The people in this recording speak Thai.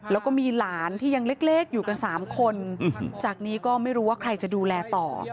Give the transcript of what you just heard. แล้วก็มีหลานที่ยังเล็กอยู่กัน๓คนจากนี้ก็ไม่รู้ว่าใครจะดูแลต่อ